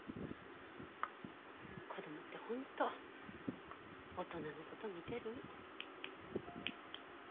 子供って本当大人のこと見てる。